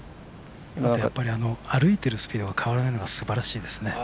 歩いてるスピードが変わらないのがすばらしいですね。